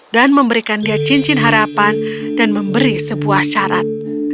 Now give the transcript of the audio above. dan memberikan dia cincin harapan dan memberi sebuah syarat